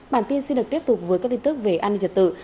bản tin xin được tiếp tục với các tin tức về an ninh trật tự